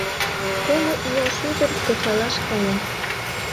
Коло ияш ӱдыр кычалаш кая.